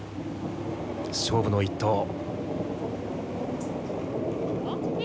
勝負の一投。